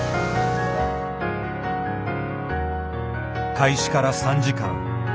開始から３時間。